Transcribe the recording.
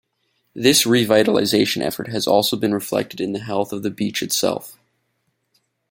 This revitalization effort has also been reflected in the health of the beach itself.